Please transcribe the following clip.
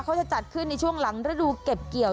เขาจะจัดขึ้นในช่วงหลังฤดูเก็บเกี่ยว